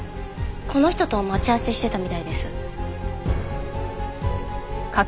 この人と待ち合わせしてたみたいです。